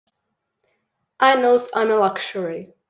I knows I'm a luxury.